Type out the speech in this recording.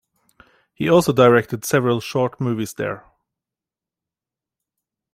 He also directed several short movies there.